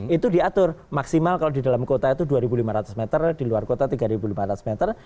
itu diatur maksimal kalau di dalam kota itu dua lima ratus meter di luar kota tiga lima ratus meter